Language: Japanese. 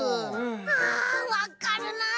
あわかるなあ！